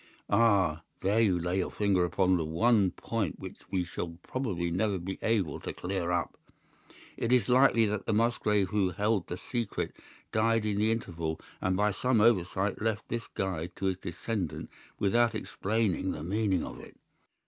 "'Ah, there you lay your finger upon the one point which we shall probably never be able to clear up. It is likely that the Musgrave who held the secret died in the interval, and by some oversight left this guide to his descendant without explaining the meaning of it.